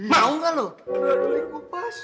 mau gak lu